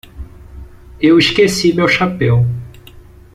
Eu esqueci meu chapéu.